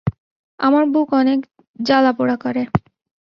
আমার বুক অনেক জ্বালা-পোড়া করে।